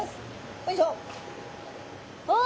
よいしょ。